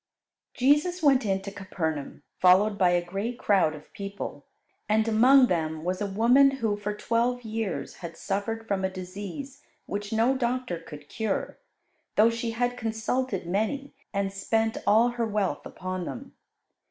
Jesus went into Capernaum, followed by a great crowd of people, and among them was a woman who for twelve years had suffered from a disease which no doctor could cure, though she had consulted many, and spent all her wealth upon them.